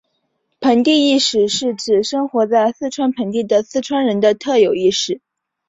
盆地意识是指生活在四川盆地的四川人的特有意识。